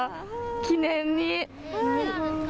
記念に。